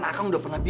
kalau saya dipercaya